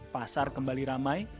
pasar kembali ramai